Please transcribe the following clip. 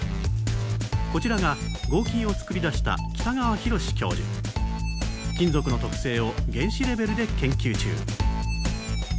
こちらが合金を作り出した金属の特性を原子レベルで研究中。